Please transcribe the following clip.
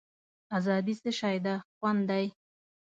آزادي څه شی ده خوند دی.